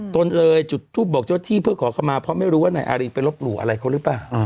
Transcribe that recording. ตนเลยจุดทูปบอกเจ้าที่เพื่อขอเข้ามาเพราะไม่รู้ว่านายอารินไปลบหลู่อะไรเขาหรือเปล่า